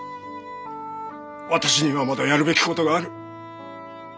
私にはまだやるべきことがある。